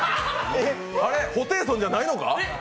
あれ、ホテイソンじゃないのか？